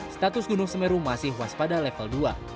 status gunung semeru masih waspada level dua